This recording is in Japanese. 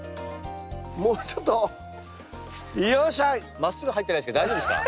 まっすぐ入ってないですけど大丈夫ですか？